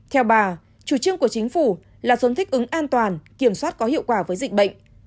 theo bà chủ trương của chính phủ là xuống thích ứng an toàn kiểm soát có hiệu quả với dịch bệnh